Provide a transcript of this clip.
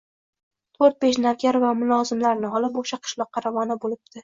To‘rt-besh navkar va mulozimlarini olib, o‘sha qishloqqa ravona bo‘libdi